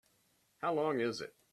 How long is it?